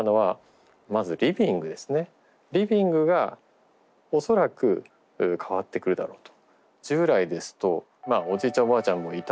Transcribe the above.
リビングが恐らく変わってくるだろうと。